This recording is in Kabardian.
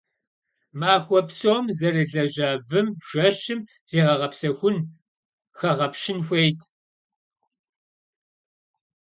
Махуэ псом зэрылэжьа вым жэщым зегъэгъэпсэхун, хэгъэпщын хуейт.